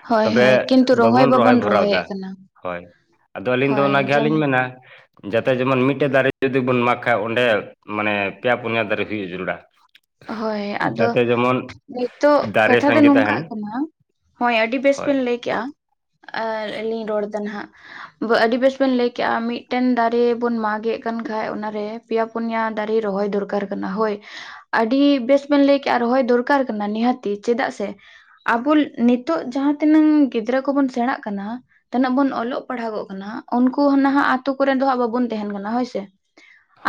ᱦᱳᱭ ᱛᱚᱵᱮ ᱦᱳᱭ ᱠᱤᱱᱛᱩ ᱵᱟᱵᱚᱱ ᱨᱚᱦᱚᱭ ᱵᱷᱚᱨᱟᱣᱫᱟ ᱨᱚᱦᱚᱭᱮᱫ ᱠᱟᱱᱟ ᱦᱳᱭ᱾ ᱟᱫᱚ ᱟᱹᱞᱤᱧ ᱫᱚ ᱦᱳᱭ ᱚᱱᱟ ᱜᱮ ᱱᱟᱦᱟᱸᱜ ᱡᱮᱢ ᱞᱤᱧ ᱢᱮᱱᱟ ᱡᱟᱛᱮ ᱡᱮᱢᱚᱱ ᱢᱤᱫᱴᱮᱡ ᱫᱟᱨᱮ ᱡᱩᱫᱤ ᱵᱚᱱ ᱢᱟᱜᱽ ᱠᱷᱟ ᱚᱸᱰᱮ ᱢᱟᱱᱮ ᱯᱮᱭᱟ ᱯᱩᱱᱭᱟ ᱫᱟᱨᱮ ᱦᱤᱡᱩ ᱡᱚᱨᱩᱲᱟ᱾ ᱦᱳᱭ ᱟᱫᱚ ᱱᱤᱛᱚᱜ ᱫᱟᱨᱮ ᱠᱟᱛᱷᱟ ᱫᱚ ᱥᱟᱸᱜᱮ ᱱᱚᱝᱠᱟ ᱛᱟᱦᱮᱱ ᱠᱟᱱᱟ ᱦᱳᱭ ᱟᱹᱰᱤ ᱵᱮᱥ ᱦᱳᱭ ᱵᱮᱱ ᱞᱟᱹᱭ ᱠᱮᱜᱼᱟ ᱟᱨ ᱟᱞᱤᱧ ᱨᱚᱲ ᱫᱟ ᱱᱟᱦᱟᱸᱜ᱾ ᱟᱹᱰᱤ ᱵᱮᱥ ᱵᱮᱱ ᱞᱟᱹᱭ ᱠᱮᱜᱼᱟ, ᱢᱤᱫᱴᱮᱱ ᱫᱟᱨᱮ ᱵᱚᱱ ᱢᱟᱜ ᱮᱫ ᱠᱟᱱ ᱠᱷᱟᱱ ᱚᱱᱟᱨᱮ ᱯᱮᱭᱟ ᱯᱩᱱᱭᱟ ᱫᱟᱨᱮ ᱨᱚᱦᱚᱭ ᱫᱚᱨᱠᱟᱨ ᱠᱟᱱᱟ ᱦᱳᱭ᱾ ᱟᱹᱰᱤ ᱵᱮᱥ ᱵᱮᱱ ᱞᱟᱹᱭ ᱠᱮᱜᱼᱟ, ᱨᱚᱦᱚᱭ ᱫᱚᱨᱠᱟᱨ ᱠᱟᱱᱟ ᱱᱤᱦᱟᱹᱛᱤ ᱪᱮᱫᱟᱜ ᱥᱮ ᱟᱵᱚ ᱱᱤᱛᱚᱜ ᱡᱟᱦᱟᱸ ᱛᱤᱱᱟᱹᱜ ᱜᱤᱫᱽᱨᱟᱹ ᱠᱚᱵᱚᱱ ᱥᱮᱬᱟᱜ ᱠᱟᱱᱟ ᱛᱤᱱᱟᱹᱜ ᱵᱚᱱ ᱚᱞᱚᱜ ᱯᱟᱲᱦᱟᱜᱚᱜ ᱠᱟᱱᱟ ᱩᱱᱠᱩ ᱱᱟᱦᱟᱸᱜ ᱟᱛᱳ ᱠᱚᱨᱮ ᱫᱚ ᱦᱟᱜ ᱵᱟᱵᱚᱱ ᱛᱟᱦᱮᱸᱱ ᱠᱟᱱᱟ ᱦᱳᱭᱥᱮ?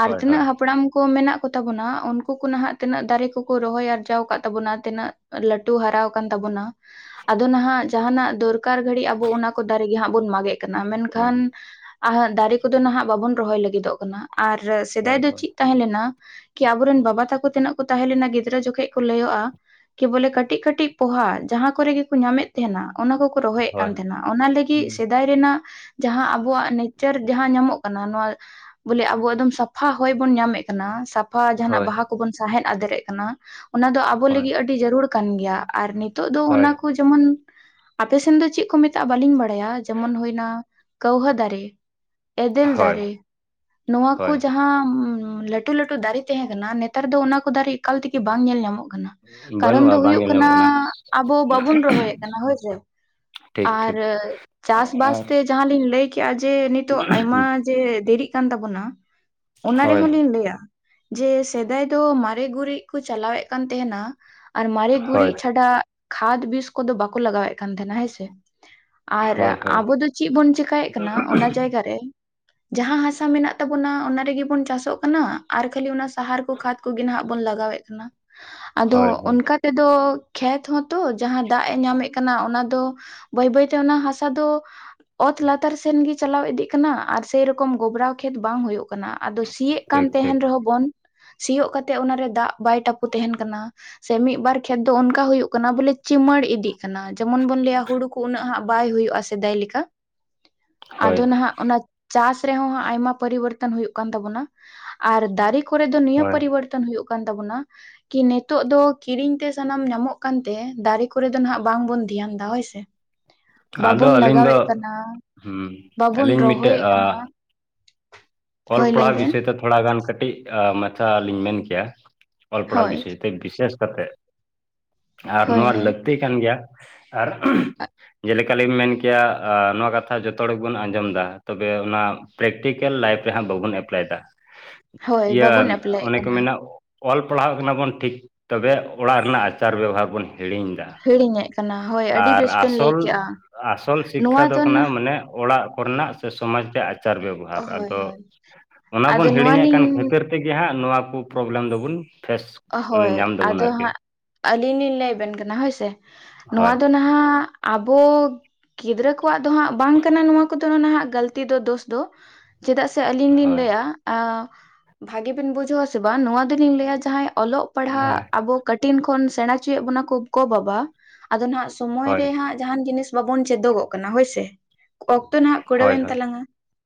ᱟᱨ ᱦᱳᱭ ᱦᱳᱭ ᱛᱤᱱᱟᱹᱜ ᱦᱟᱯᱲᱟᱢ ᱠᱚ ᱢᱮᱱᱟᱜ ᱠᱚᱛᱟ ᱵᱚᱱᱟ ᱩᱱᱠᱩ ᱠᱚ ᱱᱟᱦᱟᱸᱜ ᱛᱤᱱᱟᱹᱜ ᱫᱟᱨᱮ ᱠᱚᱠᱚ ᱨᱚᱦᱚᱭ ᱟᱨᱡᱟᱣ ᱠᱟᱫ ᱛᱟᱵᱚᱱᱟ, ᱛᱤᱱᱟᱹᱜ ᱞᱟᱹᱴᱩ ᱦᱟᱨᱟ ᱠᱟᱱ ᱛᱟᱵᱚᱱᱟ ᱟᱫᱚ ᱱᱟᱦᱟᱸᱜ ᱡᱟᱦᱟᱸᱱᱟᱜ ᱫᱚᱨᱠᱟᱨ ᱜᱷᱟᱹᱲᱤᱡ ᱟᱵᱚ ᱚᱱᱟ ᱠᱚ ᱫᱟᱨᱮ ᱜᱮᱦᱟᱸᱜ ᱵᱚᱱ ᱢᱟᱜᱮᱜ ᱠᱟᱱᱟ ᱦᱩᱸ ᱢᱮᱱᱠᱷᱟᱱ ᱫᱟᱨᱮ ᱠᱚᱫᱚ ᱱᱟᱦᱟᱸᱜ ᱵᱟᱵᱚᱱ ᱨᱚᱦᱚᱭ ᱞᱟᱹᱜᱤᱫᱚᱜ ᱠᱟᱱᱟ ᱟᱨ ᱦᱳᱭ ᱥᱮᱫᱟᱭ ᱫᱚ ᱦᱳᱭ ᱪᱤᱫ ᱛᱟᱦᱮᱸᱞᱮᱱᱟ ᱠᱤ ᱟᱵᱚᱨᱮᱱ ᱵᱟᱵᱟ ᱛᱟᱠᱚ ᱛᱤᱱᱟᱹᱜ ᱠᱚ ᱛᱟᱦᱮᱸᱞᱮᱱᱟ ᱜᱤᱫᱽᱨᱟᱹ ᱡᱚᱠᱷᱮᱡ ᱠᱚ ᱞᱟᱹᱭᱩᱜᱼᱟ ᱠᱮ ᱵᱚᱞᱮ ᱠᱟᱹᱴᱤᱜ ᱠᱟᱹᱴᱤᱜ ᱯᱚᱦᱟ ᱡᱟᱦᱟᱸ ᱠᱚᱨᱮ ᱜᱮᱠᱚ ᱧᱟᱢᱮᱫ ᱛᱟᱦᱮᱱᱟ ᱚᱱᱟ ᱠᱚ, ᱨᱚᱦᱚᱭᱮᱫ ᱠᱟᱱ ᱦᱳᱭ ᱛᱟᱦᱮᱱᱟ ᱚᱱᱟ ᱞᱟᱹᱜᱤᱫ ᱦᱩᱸ ᱥᱮᱫᱟᱭ ᱨᱮᱱᱟᱜ ᱡᱟᱦᱟᱸ ᱟᱵᱚᱣᱟᱜ, ᱱᱤᱪᱟᱹᱨ ᱡᱟᱦᱟᱸ ᱧᱟᱢᱚᱜ ᱠᱟᱱᱟ ᱱᱚᱣᱟ ᱵᱚᱞᱮ ᱟᱵᱚ ᱮᱠᱫᱚᱢ ᱥᱟᱯᱷᱟ ᱦᱚᱭ ᱵᱚᱱ ᱧᱟᱢᱮᱫ ᱠᱟᱱᱟ᱾ ᱦᱚᱭ ᱡᱟᱦᱟᱱᱟᱜ ᱦᱳᱭ ᱵᱟᱦᱟ ᱠᱚᱵᱚᱱ ᱥᱟᱦᱮᱫ ᱟᱫᱮᱨᱮᱜ ᱠᱟᱱᱟ ᱚᱱᱟ ᱫᱚ ᱟᱵᱚ ᱦᱳᱭ ᱞᱟᱹᱜᱤᱫ ᱟᱹᱰᱤ ᱡᱟᱹᱨᱩᱲ ᱠᱟᱱ ᱜᱮᱭᱟ ᱟᱨ ᱱᱤᱛ, ᱛᱚᱜ ᱫᱚ ᱦᱳᱭ ᱚᱱᱟ ᱠᱚ ᱡᱮᱢᱚᱱ, ᱟᱯᱮᱥᱮᱱ ᱫᱚ ᱪᱮᱫ ᱠᱚ ᱢᱮᱛᱟᱜᱼᱟ ᱵᱟᱹᱞᱤᱧ ᱵᱟᱰᱟᱭᱟ ᱡᱮᱢᱚᱱ ᱦᱩᱭᱱᱟ ᱠᱟᱹᱣᱦᱟᱹ ᱫᱟᱨᱮ᱾ ᱮᱫᱮᱞ ᱦᱳᱭ ᱫᱟᱨᱮ ᱱᱚᱣᱟ ᱠᱚ ᱦᱳᱭ ᱡᱟᱦᱟᱸ ᱞᱟᱹᱴᱩ ᱞᱟᱹᱴᱩ ᱫᱟᱨᱮ ᱛᱟᱦᱮᱸ ᱠᱟᱱᱟ ᱱᱮᱛᱟᱨ, ᱱᱮᱛᱟᱨ ᱫᱚ ᱚᱱᱟ ᱠᱚ ᱫᱟᱨᱮ ᱮᱠᱟᱞ ᱛᱮᱜᱮ ᱵᱟᱝ ᱧᱮᱞ ᱧᱟᱢᱚᱜ ᱠᱟᱱᱟ᱾ ᱠᱟᱨᱚᱱ ᱵᱟᱹᱱᱩᱜᱼᱟ ᱫᱚ ᱵᱟᱝ ᱦᱩᱭᱩᱜ ᱧᱮᱞ ᱠᱟᱱᱟ ᱧᱟᱢᱚᱜ ᱟᱵᱚ ᱵᱟᱵᱚᱱ ᱨᱚᱦᱚᱭᱮᱫ ᱠᱟᱱᱟ ᱦᱳᱭᱥᱮ, ᱴᱷᱤᱠ ᱟᱨ ᱴᱷᱤᱠ ᱪᱟᱥᱵᱟᱥ ᱟᱨ ᱛᱮ ᱡᱟᱦᱟᱸ ᱞᱤᱧ ᱞᱟᱹᱭ ᱠᱮᱜᱼᱟ ᱡᱮ ᱱᱤᱛᱚᱜ ᱟᱭᱢᱟ, ᱡᱮ ᱫᱮᱨᱤᱜ ᱠᱟᱱ ᱛᱟᱵᱚᱱᱟ ᱚᱱᱟ ᱦᱳᱭ ᱨᱮᱦᱚᱸ ᱞᱤᱧ ᱞᱟᱹᱭᱟ ᱡᱮ, ᱥᱮᱫᱟᱭ ᱫᱚ ᱢᱟᱨᱮ ᱜᱩᱨᱤᱜ ᱠᱚ ᱪᱟᱞᱟᱣᱮᱫ ᱠᱟᱱ ᱛᱟᱦᱮᱱᱟ ᱟᱨ ᱢᱟᱨᱮ ᱦᱳᱭ ᱜᱩᱨᱤᱜ ᱪᱷᱟᱰᱟ ᱠᱷᱟᱫᱽ ᱵᱤᱥ ᱠᱚᱫᱚ ᱵᱟᱠᱚ ᱞᱟᱜᱟᱣᱮᱜ ᱠᱟᱱ ᱛᱟᱦᱮᱱᱟ ᱦᱮᱸᱥᱮ᱾ ᱟᱨ ᱦᱳᱭ ᱦᱳᱭ ᱟᱵᱚ ᱫᱚ ᱪᱮᱫ ᱵᱚᱱ ᱪᱮᱠᱟᱭᱮᱫ ᱠᱟᱱᱟ ᱚᱱᱟ ᱡᱟᱭᱜᱟ ᱨᱮ, ᱡᱟᱦᱟᱸ ᱦᱟᱥᱟ ᱢᱮᱱᱟᱜ ᱛᱟᱵᱚᱱᱟ ᱚᱱᱟ ᱨᱮᱜᱤᱵᱩᱱ ᱪᱟᱥᱚᱜ ᱠᱟᱱᱟ ᱟᱨ ᱠᱷᱟᱹᱞᱤ ᱚᱱᱟ ᱥᱟᱦᱟᱨ, ᱠᱚ ᱠᱷᱟᱫ ᱠᱚᱜᱮ ᱱᱟᱦᱟᱜ ᱵᱚᱱ ᱞᱟᱜᱟᱣᱮᱫ ᱠᱟᱱᱟ ᱟᱫᱚ ᱦᱳᱭ ᱦᱳᱭ ᱚᱱᱠᱟ, ᱛᱮᱫᱚ ᱠᱷᱮᱛ ᱦᱚᱸᱛᱚ ᱡᱟᱦᱟᱸ ᱫᱟᱜᱽ ᱮ ᱧᱟᱢᱮᱜ ᱠᱟᱱᱟ ᱚᱱᱟ ᱫᱚ ᱵᱟᱹᱭ ᱵᱟᱹᱭᱛᱮ ᱚᱱᱟ ᱦᱟᱥᱟ ᱫᱚ, ᱚᱛ ᱞᱟᱛᱟᱨ ᱥᱮᱱ ᱜᱮᱤ ᱪᱟᱞᱟᱣ ᱤᱫᱤᱜ ᱠᱟᱱᱟ ᱟᱨ ᱥᱮᱨᱚᱠᱚᱢ ᱜᱚᱵᱨᱟᱣ ᱠᱷᱮᱛ ᱵᱟᱝ ᱦᱩᱭᱩᱜ ᱠᱟᱱᱟ ᱟᱫᱚ ᱥᱤᱭᱮᱜ ᱠᱟᱱ ᱴᱷᱤᱠ ᱴᱷᱤᱠ ᱛᱟᱦᱮᱱ ᱨᱮᱦᱚᱸ ᱵᱚᱱ ᱥᱤᱭᱳᱜ ᱠᱟᱛᱮᱜ ᱚᱱᱟᱨᱮ ᱫᱟᱜᱽ ᱵᱟᱭ ᱴᱟᱯᱩ ᱛᱟᱦᱮᱱ ᱠᱟᱱᱟ᱾ ᱥᱮ ᱢᱤᱜᱵᱟᱨ ᱠᱷᱮᱛ ᱫᱚ ᱚᱱᱠᱟ ᱦᱩᱭᱩᱜᱜ ᱠᱟᱱᱟ ᱵᱚᱞᱮ ᱪᱤᱢᱟᱹᱲ ᱤᱫᱤᱜ ᱠᱟᱱᱟ ᱡᱮᱢᱚᱱ ᱵᱚᱱ ᱞᱟᱹᱭᱟ ᱦᱩᱲᱩ, ᱠᱚ ᱩᱱᱟᱹᱜ ᱦᱟᱸᱜ ᱵᱟᱭ ᱦᱩᱭᱩᱜᱼᱟ ᱥᱮᱫᱟᱭ ᱞᱮᱠᱟ᱾ [inaudible] ᱟᱫᱚ ᱱᱟᱦᱟᱜ ᱚᱱᱟ ᱪᱟᱥ ᱨᱮᱦᱚᱸ ᱦᱟᱸ ᱟᱭᱢᱟ ᱯᱚᱨᱤᱵᱚᱨᱛᱚᱱ ᱦᱩᱭᱩᱜ ᱠᱟᱱ ᱛᱟᱵᱚᱱᱟ ᱟᱨ ᱫᱟᱨᱮ, ᱠᱚᱨᱮ ᱫᱚ ᱱᱤᱭᱟᱹ ᱦᱳᱭ ᱯᱚᱨᱤᱵᱚᱨᱛᱚᱱ ᱦᱩᱭᱩᱜ ᱠᱟᱱ ᱛᱟᱵᱚᱱᱟ, ᱠᱤ ᱱᱤᱛᱚᱜ ᱫᱚ ᱠᱤᱨᱤᱧ ᱛᱮ ᱥᱟᱱᱟᱢ ᱧᱟᱢᱚᱜ ᱠᱟᱱᱛᱮ ᱫᱟᱨᱮ ᱠᱚᱨᱮ ᱫᱚ ᱱᱟᱦᱟᱜ ᱵᱟᱝᱵᱚᱱ ᱫᱷᱮᱭᱟᱱ ᱫᱟ ᱦᱚᱭᱥᱮ᱾ ᱟᱫᱚ ᱵᱟᱵᱚᱱ ᱟᱹᱞᱤᱧ ᱫᱚ ᱞᱟᱜᱟᱣᱮᱜ ᱠᱟᱱᱟ ᱦᱩᱸ ᱵᱟᱵᱚᱱ ᱟᱹᱞᱤᱧ ᱢᱤᱫᱴᱮᱡ ᱨᱚᱦᱚᱭᱮᱜ ᱠᱟᱱᱟ᱾ ᱚᱞ ᱦᱳᱭ ᱞᱟᱹᱭ ᱯᱟᱲᱦᱟᱣ ᱵᱮᱱ ᱵᱤᱥᱚᱭ ᱛᱮ ᱛᱷᱚᱲᱟ ᱜᱟᱱ ᱠᱟᱹᱴᱤᱜ ᱟᱸ ᱢᱟᱪᱷᱟ ᱞᱤᱧ ᱢᱮᱱ ᱠᱮᱭᱟ, ᱚᱞ ᱯᱟᱲᱦᱟᱣ ᱦᱳᱭ ᱵᱤᱥ ᱛᱮ ᱵᱤᱥᱮᱥ ᱠᱟᱛᱮᱜ ᱟᱨ ᱦᱳᱭ ᱱᱚᱣᱟ ᱦᱳᱭ ᱞᱟᱹᱠᱛᱤ ᱠᱟᱱ ᱜᱮᱭᱟ᱾ ᱟᱨ ᱩᱸ ᱡᱮᱞᱮᱠᱟ ᱞᱤᱢ ᱢᱮᱱ ᱠᱮᱭᱟ ᱱᱚᱣᱟ ᱠᱟᱛᱷᱟ ᱡᱚᱛᱚ ᱦᱚᱲ ᱜᱮ ᱵᱚᱱ ᱟᱸᱡᱚᱢ ᱫᱟ ᱛᱚᱵᱮ ᱚᱱᱟ ᱯᱨᱮᱠᱴᱤᱠᱮᱞ ᱞᱟᱭᱤᱯᱷ, ᱨᱮ ᱦᱟᱸᱜ ᱵᱟᱵᱚᱱ ᱮᱯᱞᱟᱭ ᱫᱟ ᱦᱳᱭ ᱤᱭᱟᱹ ᱵᱟᱵᱚᱱ ᱮᱯᱞᱟᱭᱮᱫ ᱚᱱᱮ ᱠᱚ ᱠᱟᱱᱟ ᱢᱮᱱᱟ, ᱚᱞ ᱯᱟᱲᱦᱟᱜ ᱠᱟᱱᱟ ᱵᱚᱱ ᱴᱷᱤᱠ ᱛᱚᱵᱮ ᱚᱲᱟᱜ ᱨᱮᱱᱟᱜ ᱟᱪᱟᱨ ᱵᱮᱵᱚᱦᱟᱨ ᱵᱚᱱ ᱦᱤᱲᱤᱧ ᱫᱟ᱾ ᱦᱤᱲᱤᱧᱮᱫ ᱠᱟᱱᱟ ᱦᱳᱭ ᱟᱹᱰᱤ ᱟᱨ ᱵᱮᱥ ᱵᱮᱱ ᱞᱟᱹᱭ ᱟᱥᱚᱞ ᱠᱮᱜᱼᱟ ᱟᱥᱚᱞ ᱥᱤᱠᱠᱷᱟ ᱱᱚᱣᱟ ᱫᱚ ᱠᱟᱱᱟ ᱱᱟᱜ ᱢᱟᱱᱮ ᱚᱲᱟᱜ ᱠᱚᱨᱮᱱᱟᱜ, ᱥᱮ ᱥᱚᱢᱟᱡᱽ ᱨᱮᱭᱟᱜ ᱟᱪᱟᱨ ᱵᱮᱵᱚᱦᱟᱨ ᱦᱳᱭ ᱟᱫᱚ ᱦᱳᱭ ᱚᱱᱟ ᱟᱫᱚ ᱵᱚᱱ ᱱᱚᱣᱟ ᱦᱤᱲᱤᱧᱮᱜ ᱠᱟᱱ ᱞᱤᱧ ᱠᱷᱟᱹᱛᱤᱨ ᱛᱮᱜᱮ ᱦᱟᱸᱜ ᱱᱚᱣᱟ ᱠᱚ ᱯᱨᱚᱵᱽᱞᱮᱢ ᱫᱚᱵᱚᱱ ᱯᱷᱮᱥ, ᱧᱟᱢ ᱦᱳᱭ ᱫᱟᱵᱚᱱ ᱟᱫᱚ ᱟᱨᱠᱤ ᱦᱟᱸᱜ ᱟᱹᱞᱤᱧ ᱞᱤᱧ ᱞᱟᱹᱭ ᱵᱮᱱ ᱠᱟᱱᱟ ᱦᱳᱭ ᱥᱮ ᱱᱚᱣᱟ ᱦᱳᱭ ᱫᱚ ᱱᱷᱟᱜ, ᱱᱟᱦᱟᱜ ᱟᱵᱚ ᱜᱤᱫᱽᱨᱟᱹ ᱠᱚᱣᱟᱜ ᱫᱚ ᱦᱟᱸᱜ ᱵᱟᱝ ᱠᱟᱱᱟ ᱱᱚᱣᱟ ᱠᱚᱫᱚ ᱱᱟᱦᱟᱜ ᱜᱟᱹᱞᱛᱤ ᱫᱚ ᱫᱚᱥ ᱫᱚ ᱪᱮᱫᱟᱜ ᱥᱮ ᱟᱹᱞᱤᱧ ᱞᱤᱧ ᱦᱳᱭ ᱞᱟᱹᱭᱟ, ᱟᱸ ᱵᱷᱟᱜᱤ ᱵᱤᱱ ᱵᱩᱡᱷᱟᱹᱣᱟ ᱥᱮ ᱵᱟᱝ ᱱᱚᱣᱟ ᱫᱚᱞᱤᱧ ᱞᱟᱹᱭᱟ ᱡᱟᱦᱟᱸᱭ ᱚᱞᱚᱜ ᱯᱟᱲᱦᱟᱜ ᱦᱮᱸ ᱟᱵᱚ, ᱠᱟᱴᱤᱱ ᱠᱷᱚᱱ ᱥᱮᱬᱟ ᱚᱪᱚᱭᱮᱜ ᱵᱚᱱᱟ ᱠᱚ ᱜᱚ ᱵᱟᱵᱟ ᱟᱫᱚ ᱱᱟᱦᱟᱜ ᱥᱚᱢᱚᱭ ᱦᱳᱭ ᱨᱮᱦᱟᱸᱜ, ᱡᱟᱦᱟᱱ ᱡᱤᱱᱤᱥ ᱵᱟᱵᱚᱱ ᱪᱮᱫᱚᱜᱚᱜ ᱠᱟᱱᱟ ᱦᱳᱭᱥᱮ ᱚᱠᱛᱚ ᱱᱟᱦᱟᱜ ᱦᱳᱭ ᱦᱳᱭ ᱠᱩᱲᱟᱹᱣᱮᱱ ᱛᱟᱞᱟᱝᱟ᱾